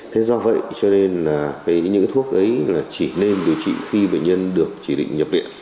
thế do vậy cho nên là những thuốc ấy là chỉ nên điều trị khi bệnh nhân được chỉ định nhập viện